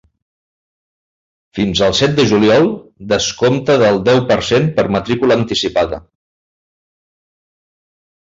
Fins al set de juliol, descompte del deu per cent per matrícula anticipada.